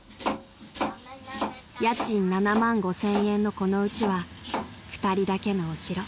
［家賃７万５，０００円のこのうちは２人だけのお城］